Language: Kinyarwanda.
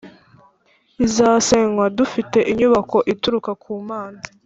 izasenywa dufite inyubako ituruka ku Mana